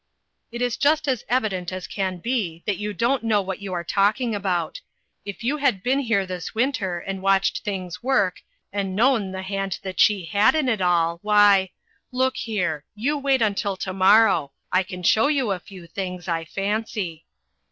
" It is just as evident as can be, that you don't know what you are talking about. If you had been here this winter, and watched things work, and known the hand that she had in it all, why look here! you wait until to morrow ; I can show you a few things, I fancy."